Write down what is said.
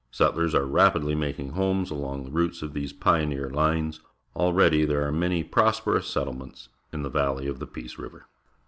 Settlers are rapidl}' making homes along the routes of these pioneer Ihies. .llread} there are many prosperous settlements m the valley of the Peace River.